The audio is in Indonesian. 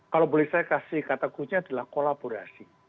kalau boleh saya kasih kata kuncinya adalah kolaborasi